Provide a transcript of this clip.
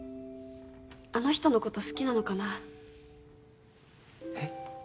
あの人のこと好きなのかなえっ？